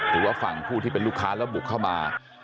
หรือว่าฝั่งผู้ที่เป็นลูกค้าแล้วบุกเข้ามา